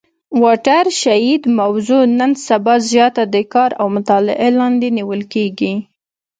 واټر شید موضوع نن سبا زیاته د کار او مطالعې لاندي نیول کیږي.